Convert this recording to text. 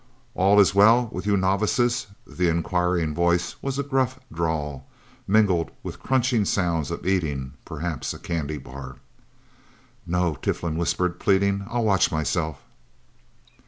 "All is well with you novices?" The enquiring voice was a gruff drawl, mingled with crunching sounds of eating perhaps a candy bar. "No!" Tiflin whispered, pleading. "I'll watch myself!"